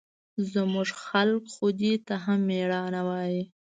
زموږ خلق خو دې ته هم مېړانه وايي.